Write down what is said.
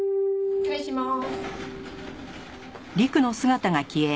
失礼します。